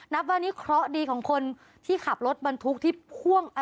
นับว่านี่เคราะห์ดีของคนที่ขับรถบรรทุกที่พ่วง